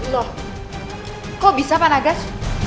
loh kok bisa pak nagas